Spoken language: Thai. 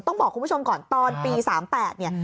ต้องบอกคุณผู้ชมก่อนตอนปี๓๘เนี่ย